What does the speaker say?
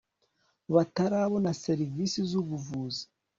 batarabona serivisi z ubuvuzi